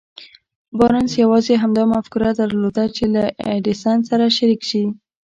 بارنس يوازې همدا مفکوره درلوده چې له ايډېسن سره شريک شي.